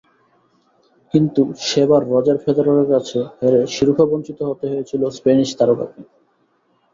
কিন্তু সেবার রজার ফেদেরারের কাছে হেরে শিরোপাবঞ্চিত হতে হয়েছিল স্প্যানিশ তারকাকে।